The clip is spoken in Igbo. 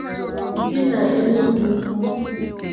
dị n'Enugwu-Ukwu